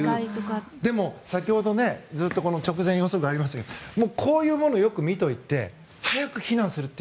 でも先ほどずっと直前予測とありましたがこういうものをよく見ておいて早く避難する。